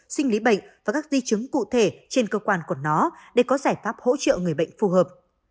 sinh lý bệnh và các di chứng cụ thể trên cơ quan của nó để có giải pháp hỗ trợ người bệnh phù hợp